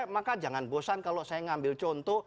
maka jangan bosan kalau saya ngambil contoh